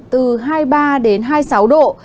từ hai mươi ba đến hai mươi sáu độ